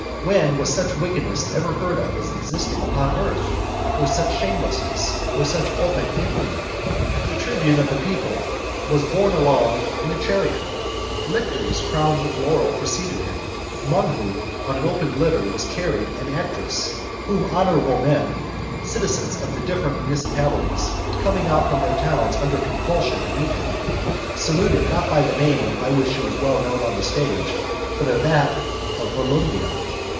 When was such wickedness ever heard of as existing upon earth? or such shamelessness? or such open infamy? XXIV. The tribune of the people was borne along in a chariot, lictors crowned with laurel preceded him; among whom, on an open litter, was carried an actress; whom honourable men, citizens of the different municipalities, coming out from their towns under compulsion to meet him, saluted not by the name by which she was well known on the stage, but by that of Volumnia.